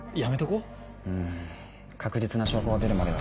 うん確実な証拠が出るまでは。